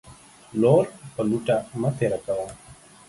لور پر لوټه مه تيره کوه.